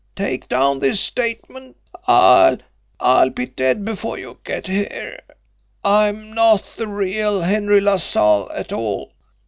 Take down this statement. I'll I'll be dead before you get here I'm not the real Henry LaSalle at all.